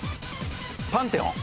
パンテオン。